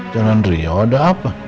jalan rio ada apa